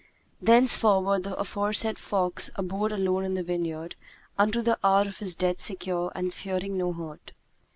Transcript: Thenceforward the aforesaid fox abode alone in the vineyard unto the hour of his death secure and fearing no hurt.